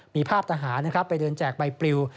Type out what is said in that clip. มีภาพทหารไปเดินแจกใบปริว